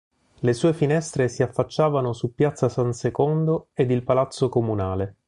Le sue finestre si affacciavano su Piazza San Secondo ed il Palazzo Comunale.